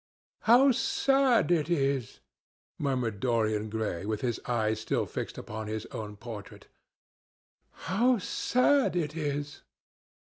"How sad it is!" murmured Dorian Gray with his eyes still fixed upon his own portrait. "How sad it is!